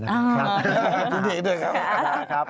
พี่ดีด้วยครับ